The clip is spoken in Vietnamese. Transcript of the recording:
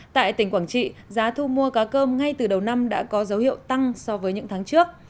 tại tỉnh quảng trị giá thu mua cá cơm ngay từ đầu năm đã có dấu hiệu tăng so với những tháng trước